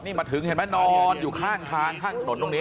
นี่มาถึงเห็นไหมนอนอยู่ข้างทางข้างถนนตรงนี้